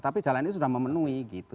tapi jalan ini sudah memenuhi gitu